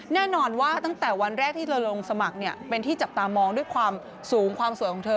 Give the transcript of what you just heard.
แน่นอนว่าตั้งแต่วันแรกที่เธอลงสมัครเนี่ยเป็นที่จับตามองด้วยความสูงความสวยของเธอ